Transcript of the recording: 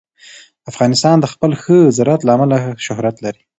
افغانستان د خپل ښه زراعت له امله شهرت لري.